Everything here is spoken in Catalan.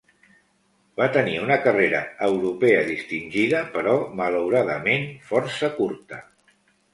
Va tenir una carrera europea distingida però, malauradament, força curta.